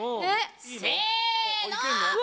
せの！